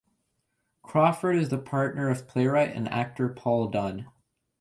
Crawford is the partner of playwright and actor Paul Dunn.